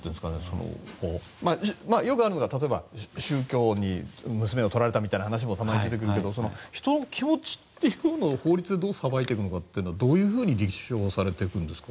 よくあるのが宗教に娘を取られたみたいな話もたまに出てくるけど人の気持ちっていうのを法律でどう裁いていくかはどういうふうに立証されていくんですか？